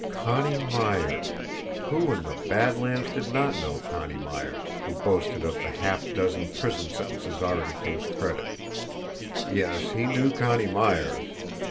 Connie Myers! Who in the Bad Lands did not know Connie Myers, who boasted of the half dozen prison sentences already to his credit? Yes; he knew Connie Myers!